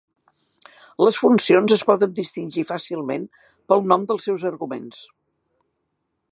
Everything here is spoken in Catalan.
Les funcions es poden distingir fàcilment pel nom dels seus arguments.